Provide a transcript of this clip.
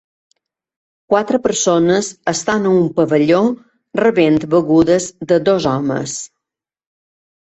Quatre persones estan a un pavelló rebent begudes de dos homes.